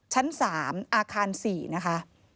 ๔๓๑๙ชั้น๓อาคาร๔นะคะ